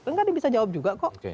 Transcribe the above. enggak dia bisa jawab juga kok